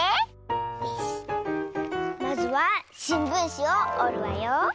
まずはしんぶんしをおるわよ。